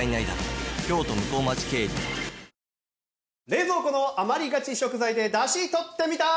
冷蔵庫の余りがち食材でダシとってみた！